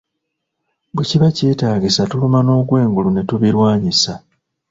Bwe kiba kyetaagisa tuluma n'ogwengulu ne tubilwanyisa.